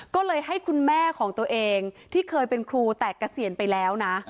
ก็เลยให้คุณแม่ของตัวเองที่เคยเป็นครูแต่เกษียณไปแล้วนะ